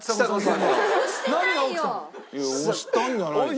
いや押したんじゃないですか？